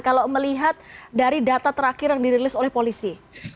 kalau melihat dari data terakhir yang dirilis oleh polisi